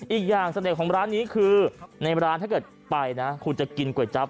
อีกอย่างเสด็จของร้านนี้คือในร้านถ้าเกิดไปนะคุณจะกินก๋วยจับ